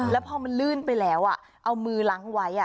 แล้วพอมันลื่นไปแล้วเอามือล้างไว้